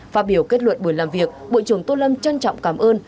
phát biểu kết luận buổi làm việc bộ trưởng tô lâm trân trọng cảm ơn